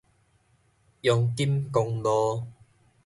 陽金公路